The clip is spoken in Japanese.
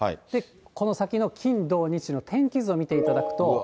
この先の金、土、日の天気図を見ていただくと。